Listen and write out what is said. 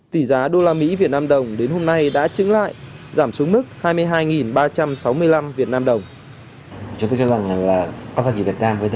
tỷ giá usd vnđ đến hôm nay đã chứng lại giảm xuống mức hai mươi hai ba trăm sáu mươi năm vnđ